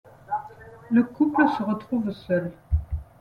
Le couple se retrouve seul.